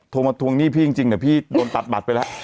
โทรมาทวงหนี้พี่จริงแต่พี่โดนตัดบัตรไปแล้ว